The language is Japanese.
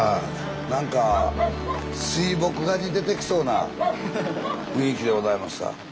なんか水墨画に出てきそうな雰囲気でございますが。